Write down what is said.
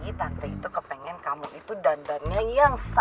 jadi tante itu kepengen kamu itu dandannya yang sempurna